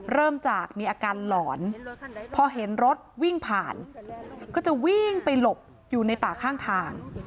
เริ่มจากมีอาการหลอนพอเห็นรถวิ่งผ่านก็จะวิ่งไปหลบอยู่ในป่าข้างทาง